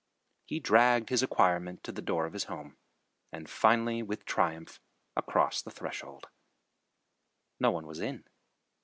He dragged his acquirement to the door of his home, and finally with triumph across the threshold. No one was in.